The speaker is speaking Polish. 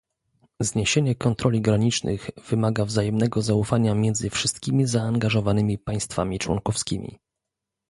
Zniesienie kontroli granicznych wymaga wzajemnego zaufania między wszystkimi zaangażowanymi państwami członkowskimi